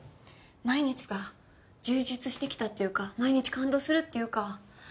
毎日が充実してきたっていうか毎日感動するっていうか。